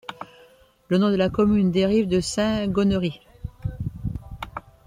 Le nom de la commune dérive de Saint Gonnery.